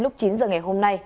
lúc chín h ngày hôm nay